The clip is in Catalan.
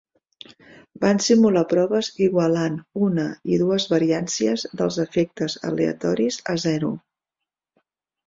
Van simular proves igualant una i dues variàncies dels efectes aleatoris a zero.